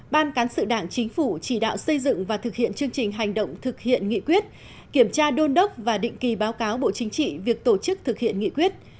một ban cán sự đảng chính phủ chỉ đạo xây dựng và thực hiện chương trình hành động thực hiện nghị quyết kiểm tra đôn đốc và định kỳ báo cáo bộ chính trị việc tổ chức thực hiện nghị quyết